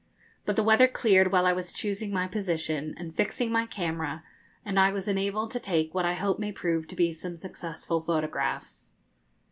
But the weather cleared while I was choosing my position and fixing my camera, and I was enabled to take what I hope may prove to be some successful photographs.